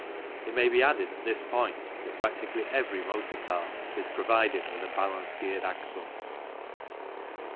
It may be added at this point that practically every motor car is provided with a balance geared axle.